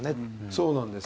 そうなんですよ。